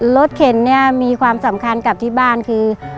เข็นเนี่ยมีความสำคัญกับที่บ้านคือ